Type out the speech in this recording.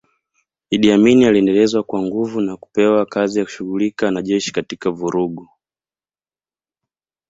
Idi Amin aliendelezwa kwa nguvu na kupewa kazi ya kushughulika na jeshi katika vurugu